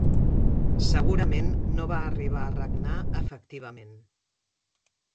Segurament no va arribar a regnar efectivament.